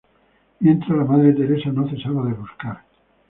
Mientras, la madre Teresa no cesaba de buscar.